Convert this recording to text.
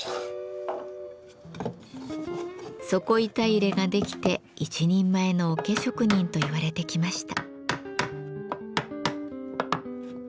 底板入れができて一人前の桶職人といわれてきました。